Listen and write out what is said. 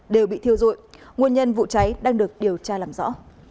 đều bị thiêu dụi nguồn nhân vụ cháy đang được điều tra làm rõ